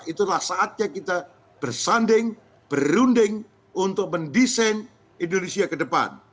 itulah saatnya kita bersanding berunding untuk mendesain indonesia ke depan